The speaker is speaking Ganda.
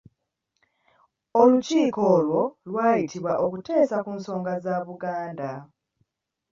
Olukiiko olwo lwayitibwa okuteesa ku nsonga za Buganda.